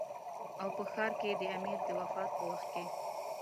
او په هغه ښار کې د امیر د وفات په وخت کې.